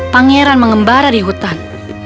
pangeran mengembara di hutan